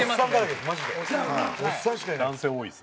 男性多いっすね。